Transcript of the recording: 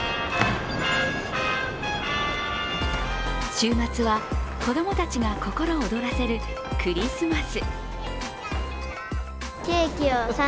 週末は子どもたちが心躍らせるクリスマス。